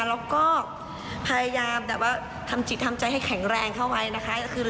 แล้วก็พยายามแบบว่าทำจิตทำใจให้แข็งแรงเข้าไว้นะคะ